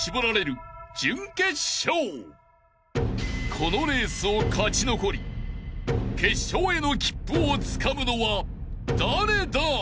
［このレースを勝ち残り決勝への切符をつかむのは誰だ！？］